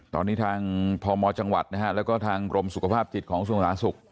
ตอนนี้ทางพมจังหวัดและก็ทางกรมสุขภาพจิตของสุขภาษุกษ์